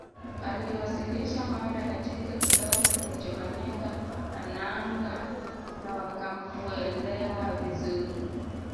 Aliwasilisha mada katika kikao kilichofanyika Hanangâ na wakamwelewa vizuri